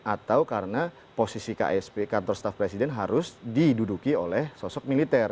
atau karena posisi ksp kantor staff presiden harus diduduki oleh sosok militer